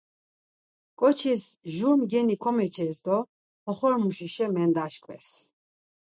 Ǩoçis jur mgeni komeçes do oxorimuşişa mendaşkves.